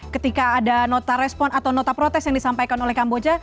ketika ada nota respon atau nota protes yang disampaikan oleh kamboja